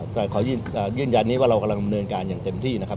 แต่ขอยืนยันนี้ว่าเรากำลังดำเนินการอย่างเต็มที่นะครับ